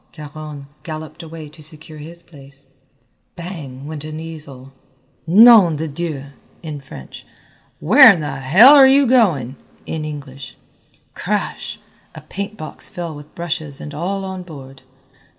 Caron galloped away to secure his place. Bang! went an easel. "Nom de Dieu!" in French, "Where in h l are you goin'!" in English. Crash! a paintbox fell with brushes and all on board.